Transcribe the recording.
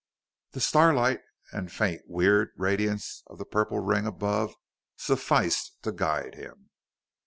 The starlight and the faint weird radiance of the purple ring above sufficed to guide him.